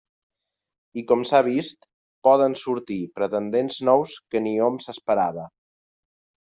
I com s'ha vist, poden sortir pretendents nous que ni hom s'esperava.